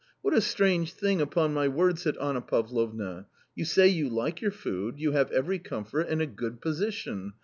" What a strange thing, upon my word !" said Anna Pavlovna. " You say you like your food, you have every comfort and a good position